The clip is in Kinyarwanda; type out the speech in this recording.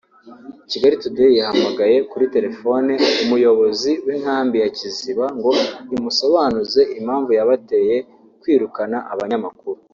Kigali Today yahamagaye kuri telefone umuyobozi w’inkambi ya Kiziba ngo imusobanuze impamvu yabateye kwirukana abanyamakuru